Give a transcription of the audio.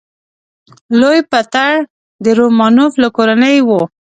لوی پطر د رومانوف له کورنۍ و.